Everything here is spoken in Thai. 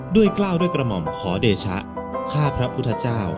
กล้าวด้วยกระหม่อมขอเดชะข้าพระพุทธเจ้า